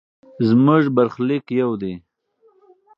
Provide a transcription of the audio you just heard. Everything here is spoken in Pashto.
زموږ برخلیک یو دی.